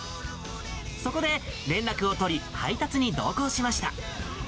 そこで連絡を取り配達に同行しました。